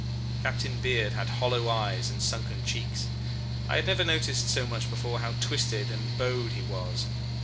Captain Beard had hollow eyes and sunken cheeks. I had never noticed so much before how twisted and bowed he was.